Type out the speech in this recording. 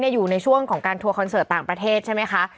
อยู่ในช่วงของการทัวร์คอนเสิร์ตต่างประเทศใช่ไหมคะ